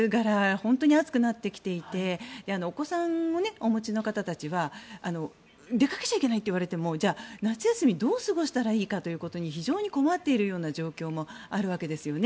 本当に暑くなってきていてお子さんもお持ちの方たちは出かけちゃいけないと言われてもじゃあ、夏休みどう過ごしたらいいかということに非常に困っているような状況もあるわけですよね。